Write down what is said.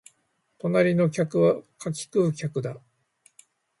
隣の客は柿食う客だ